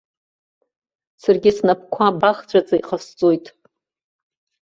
Саргьы снапқәа бахҵәаӡа иҟасҵоит.